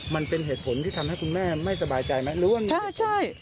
มันเป็นเหตุผลที่ทำให้คุณแม่ไม่สบายใจไหม